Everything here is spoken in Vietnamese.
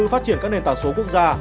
phát triển các nền tảng số quốc gia